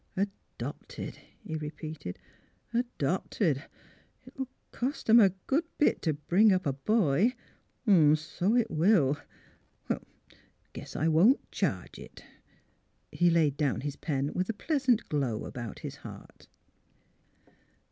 ''Adopted," he repeated. "Adopted! It'll cost 'em a good bit to bring up a boy. H'm! So it will. ... Guess I won't charge it." He laid down his pen with a pleasant glow about his heart.